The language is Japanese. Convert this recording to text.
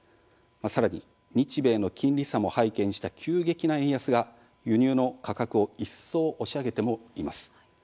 さらに日米の金利差も背景にした急激な円安が輸入の価格を一層押し上げてもいます。